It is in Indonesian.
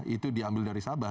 itu diambil dari sabah